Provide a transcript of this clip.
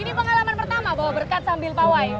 ini pengalaman pertama bahwa berkat sambil pak wai